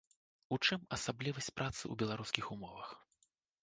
У чым асаблівасць працы ў беларускіх умовах?